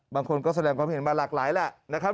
บางคนก็แสดงความเห็นมาหลากหลายแหละนะครับ